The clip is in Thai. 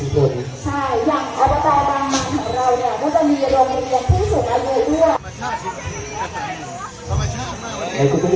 โปรดติดต่อไป